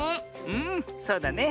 うんそうだね。